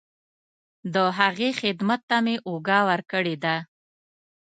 د هغې خدمت ته مې اوږه ورکړې ده.